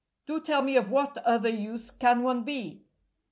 Do tell me of what other use can one be?"